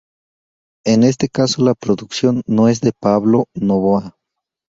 En este caso la producción es de Pablo Novoa.